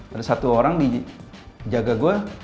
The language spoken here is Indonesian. ada satu orang dijaga gue